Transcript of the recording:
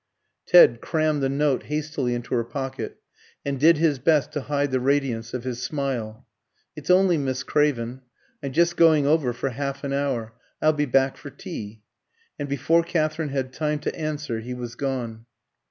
Ted crammed the note hastily into his pocket, and did his best to hide the radiance of his smile. "It's only Miss Craven. I'm just going over for half an hour, I'll be back for tea." And before Katherine had time to answer he was gone.